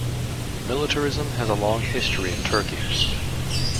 Militarism has a long history in Turkey.